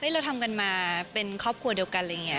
เราทำกันมาเป็นครอบครัวเดียวกัน